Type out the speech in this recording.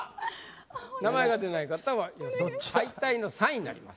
名前が出ない方は予選敗退の３位になります。